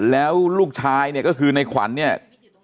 แล้วลูกชายเนี่ยก็คือในขวัญเนี่ย